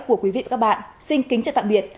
của quý vị và các bạn xin kính chào tạm biệt